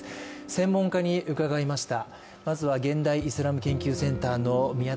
専門家に伺いました。